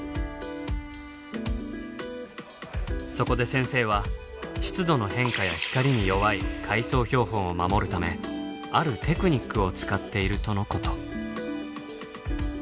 そこで先生は湿度の変化や光に弱い海藻標本を守るためあるテクニックを使っているとのこと。